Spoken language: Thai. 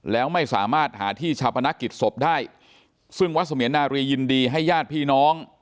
แล้วไม่สามารถหาที่ชาปนักกิจศพได้ซึ่งวัดเสมียนนารียินดีให้ญาติพี่น้อง